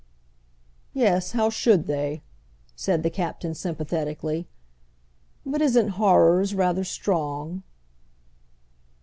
"Yes, how should they?" said the Captain sympathetically. "But isn't 'horrors' rather strong?"